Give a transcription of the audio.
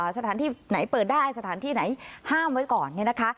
สถานที่ไหนเปิดได้สถานที่ไหนห้ามไว้ก่อนเนี่ยนะคะ